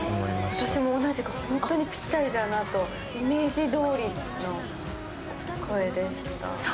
私も同じく、本当にぴったりだなと、イメージどおりの声でした。